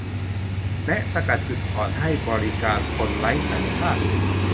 แนะสกัดจุดอ่อนให้บริการคนไร้สัญชาติ